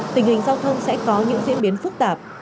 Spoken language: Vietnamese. tình hình giao thông sẽ có những diễn biến phức tạp